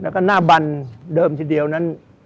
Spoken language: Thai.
แล้วก็หน้าบันเดิมทีเดียวนั้น